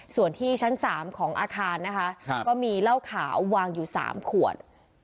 ส่วนที่ชั้น๓ของอาคารนะคะก็มีเหล้าขาววางอยู่๓ขวด